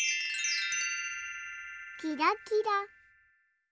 キラキラ。